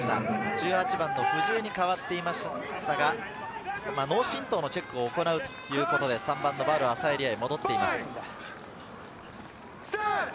１８番の藤井に代わっていましたが、脳震とうのチェックを行うということで、ヴァル・アサエリ愛が戻っています。